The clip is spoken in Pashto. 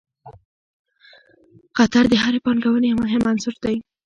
خطر د هرې پانګونې مهم عنصر دی.